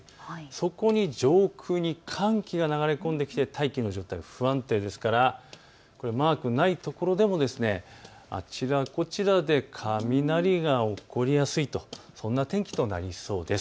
そこに上空に寒気が流れ込んできて大気の状態不安定ですからマークのないところでもあちらこちらで雷が起こりやすいと、そんな天気となりそうです。